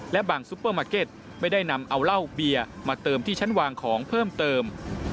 และบางซุปเปอร์มาร์เก็ตไม่ได้นำเอาเหล้าเบียร์มาเติมที่ชั้นวางของเพิ่มเติม